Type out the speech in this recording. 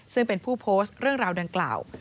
ซึ่งเป็นผู้โพสต์เรื่องราวดังกล่าว